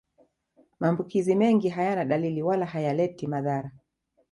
Maambukizi mengi hayana dalili wala hayaleti madhara